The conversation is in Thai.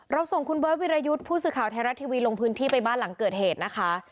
ส่งคุณเบิร์ตวิรยุทธ์ผู้สื่อข่าวไทยรัฐทีวีลงพื้นที่ไปบ้านหลังเกิดเหตุนะคะ